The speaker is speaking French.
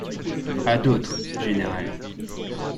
À d’autres, général!